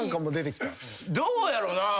どうやろなぁ。